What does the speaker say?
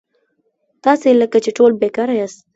تاسي لکه چې ټول بېکاره یاست.